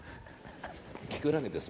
キクラゲです